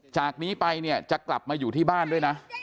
จากนี้ไปเนี่ยจะกลับมาอยู่ที่บ้านด้วยนะ